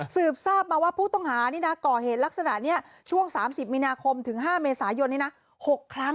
สืบทราบมาว่าผู้ต้องหานี่นะก่อเหตุลักษณะนี้ช่วง๓๐มีนาคมถึง๕เมษายนนี้นะ๖ครั้ง